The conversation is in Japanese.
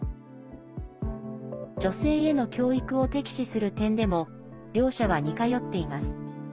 女性への教育を敵視する点でも両者は似通っています。